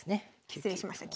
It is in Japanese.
失礼しました。